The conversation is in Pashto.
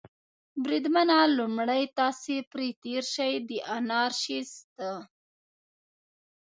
بریدمنه، لومړی تاسې پرې تېر شئ، د انارشیست.